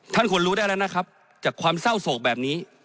ท่านควรรู้ได้แล้วนะครับจากความเศร้าโศกแบบนี้